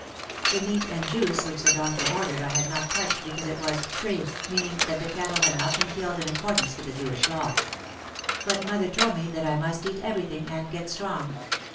The meat and juice which the doctor ordered I had not touched because it was "trafe" (meaning that the cattle had not been killed in accordance with the Jewish law). But mother told me that I must eat everything and get strong.